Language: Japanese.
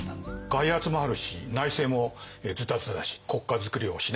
外圧もあるし内政もズタズタだし国家づくりをしなきゃならないと。